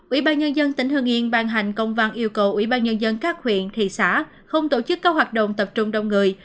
ubnd tỉnh hưng yên ban hành công văn yêu cầu ubnd các huyện thị xã không tổ chức các hoạt động tập trung đông người